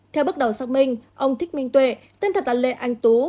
theo bước đầu xác minh ông thích minh tuệ tên thật là lê anh tú